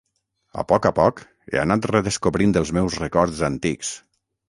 A poc a poc, he anat redescobrint els meus records antics.